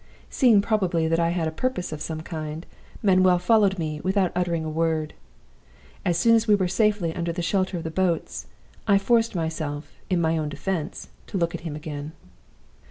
Seeing probably that I had a purpose of some kind, Manuel followed me without uttering a word. As soon as we were safely under the shelter of the boats, I forced myself, in my own defense, to look at him again.